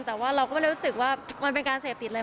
แต่ว่าเราก็ไม่ได้รู้สึกว่ามันเป็นการเสพติดเลย